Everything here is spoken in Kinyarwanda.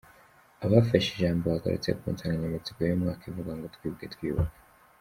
Abafashe ijambo bagarutse ku nsanganyamatsiko y’uyu mwaka ivuga ngo “Twibuke, twiyubaka.